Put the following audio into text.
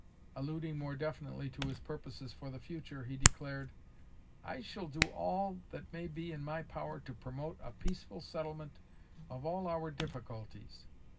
Alluding more definitely to his purposes for the future, he declared: "I shall do all that may be in my power to promote a peaceful settlement of all our difficulties.